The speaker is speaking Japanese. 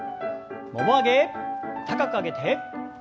もも上げ高く上げて。